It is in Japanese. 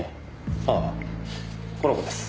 ああこの子です。